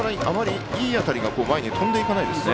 いい当たりが前に飛んでいかないですね。